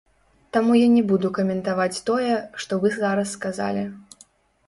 Таму я не буду каментаваць тое, што вы зараз сказалі.